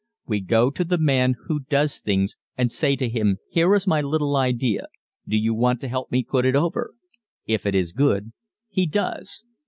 We go to the man who does things and say to him: "Here is my little idea do you want to help me put it over?" If it is good, he does.